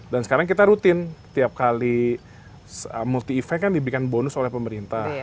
dan sekarang kita rutin tiap kali multi event kan diberikan bonus oleh pemerintah